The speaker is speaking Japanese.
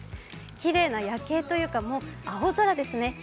きれいな夜景というか、もう青空ですね。